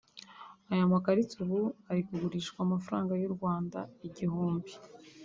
Aya makarita ubu ari kugurishwa amafaranga y’u Rwanda igihumbi